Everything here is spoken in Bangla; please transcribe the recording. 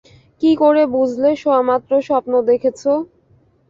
কী করে বুঝলে শোয়ামাত্র স্বপ্ন দেখেছ?